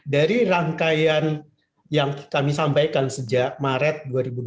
dari rangkaian yang kami sampaikan sejak maret dua ribu dua puluh